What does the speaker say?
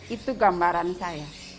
itu gambaran saya